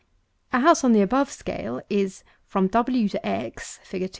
A house on the above scale, is from w to x (FIG.